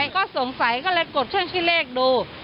ก็สงสัยก็เลยกดช่วยขี้เลขดู